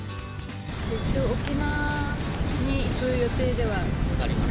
沖縄に行く予定ではあります。